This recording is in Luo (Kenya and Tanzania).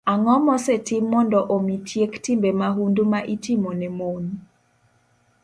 Ang'o mosetim mondo omi tiek timbe mahundu ma itimo ne mon?